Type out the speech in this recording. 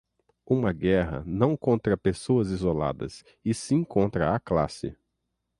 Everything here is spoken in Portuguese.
uma guerra, não contra pessoas isoladas, e sim contra a classe